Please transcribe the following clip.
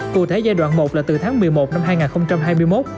cụ thể giai đoạn một là từ tháng một mươi một năm hai nghìn hai mươi một